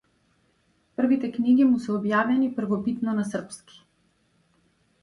Првите книги му се објавени првобитно на српски.